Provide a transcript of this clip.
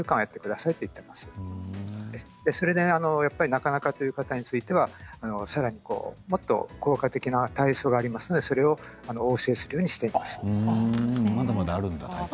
それでなかなかという方はさらにもっと効果的な体操がありますのでそれをお教えするようにまだまだあるんだ。